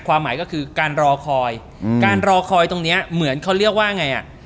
ความหมายก็คือการรอคอยการรอคอยตรงเนี้ยเหมือนเขาเรียกว่าไงอ่ะ